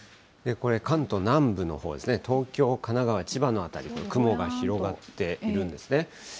これ、関東南部のほうですね、東京、神奈川、千葉の辺り、雲が広がっているんですね。